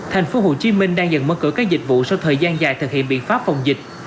thành phố hồ chí minh đang dần mở cửa các dịch vụ sau thời gian dài thực hiện biện pháp phòng dịch